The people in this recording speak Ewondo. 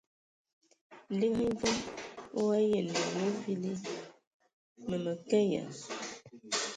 Liigi hm e vom o ayǝan ai wa vili. Mǝ ke ya !